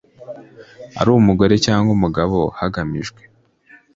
ari umugore cyangwa umugabo hagamijwe